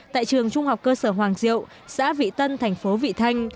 tại trường trung học cơ sở hoàng diệu xã vị tân thành phố vị thanh